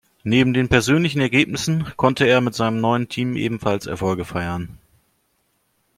Neben den persönlichen Ergebnissen, konnte er mit seinem neuen Team ebenfalls Erfolge feiern.